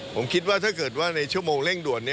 ผมคิดว่าถ้าเกิดว่าในชั่วโมงเร่งด่วน